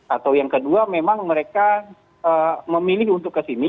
atau yang kedua memang mereka memilih untuk kesini